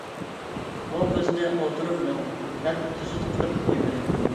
ئۇ قىزنى «ئولتۇرۇپ مېڭىڭ» دەپ تۈزۈت قىلىپمۇ قويمىدى.